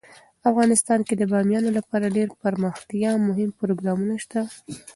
افغانستان کې د بامیان لپاره ډیر دپرمختیا مهم پروګرامونه شته دي.